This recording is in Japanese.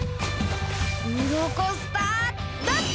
ウロコスターダスト！